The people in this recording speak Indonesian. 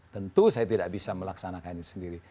tentu saya tidak bisa melaksanakannya sendiri